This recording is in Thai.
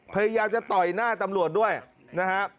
พยายามจะต่อยหน้าตำรวจด้วยนะฮะ